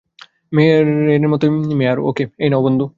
মেয়ারের মতই - মেয়ার, ওকে - এই নাও বন্ধু।